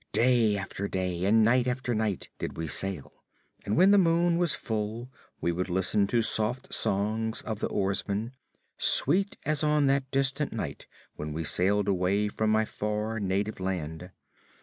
Day after day and night after night did we sail, and when the moon was full we would listen to soft songs of the oarsmen, sweet as on that distant night when we sailed away from my far native land.